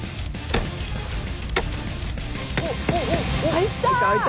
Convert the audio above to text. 入った！